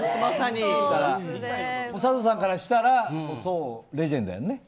佐藤さんからしたらレジェンドよね。